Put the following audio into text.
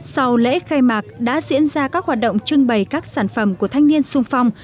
sau lễ khai mạc đã diễn ra các hoạt động trưng bày các sản phẩm của thanh niên sung phong